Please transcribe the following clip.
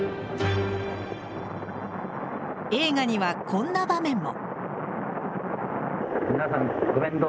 映画にはこんな場面も。